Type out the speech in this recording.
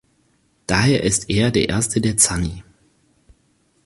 Daher ist er der erste der Zanni.